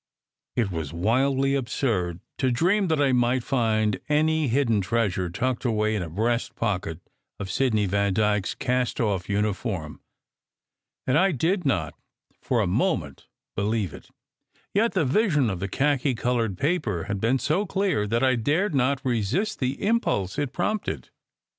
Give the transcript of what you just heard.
It was wildly absurd to dream that I might find any hidden treasure tucked away in a breast pocket of Sidney Vandyke s cast off uniform; and I did not for a moment believe it; yet the vision of the khaki coloured paper had been so clear that I dared not resist the im pulse it prompted.